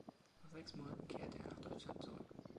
Nach sechs Monaten kehrte er nach Deutschland zurück.